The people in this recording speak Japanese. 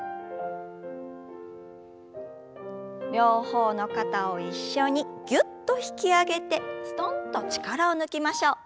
両方の肩を一緒にぎゅっと引き上げてすとんと力を抜きましょう。